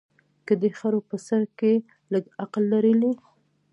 که دې خرو په سر کي لږ عقل لرلای